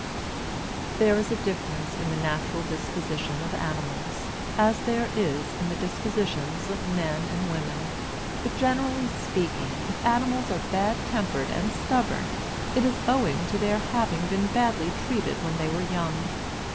There is a difference in the natural disposition of animals, as there is in the dispositions of men and women; but, generally speaking, if animals are bad tempered and stubborn, it is owing to their having been badly treated when they were young.